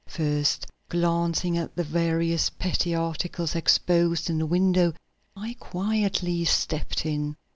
First glancing at the various petty articles exposed in the window, I quietly stepped in.